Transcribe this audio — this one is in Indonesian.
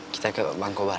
kita ke bangkobar